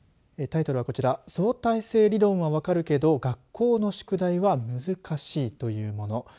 タイトルはこちら相対性理論はわかるけど学校の宿題は難しいというもの。